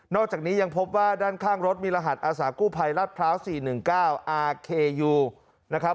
นอกจากนี้ยังพบว่าด้านข้างรถมีรหัสอาสาคู่ภัยรัฐพร้าวสี่หนึ่งเก้าอาร์เคยูนะครับ